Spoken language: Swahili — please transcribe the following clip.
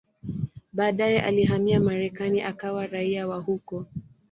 Baadaye alihamia Marekani akawa raia wa huko.